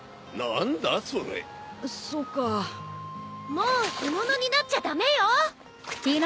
もう干物になっちゃ駄目よ。